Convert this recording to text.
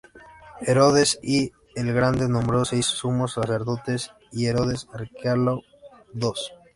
Herodes I el Grande nombró seis sumos sacerdotes, y Herodes Arquelao, dos.